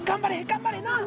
頑張れな！